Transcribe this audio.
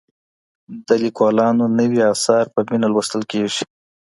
د ليکوالانو نوي اثار په مينه لوستل کېږي.